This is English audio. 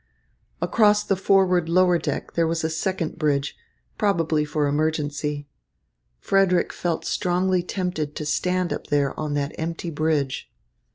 Across the forward lower deck there was a second bridge, probably for emergency. Frederick felt strongly tempted to stand up there on that empty bridge.